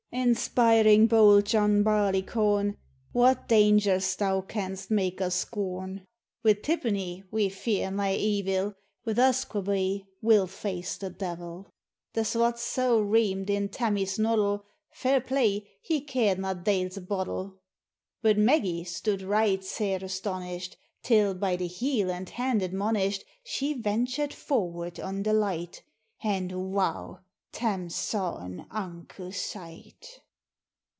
Inspiring bold John Barleycorn ! What dangers thou canst make us scorn ! Wi' tippenny we fear nae evil ; Wi' usquebae we '11 face the Devil !— The swats sae reamed in Tammie's noddle, Fair play, he cared na Deils a bodle. But Maggie stood right sair astonished, Till, by the heel and hand admonished, She ventured forward on the light ; And, wow ! Tarn saw an unco sight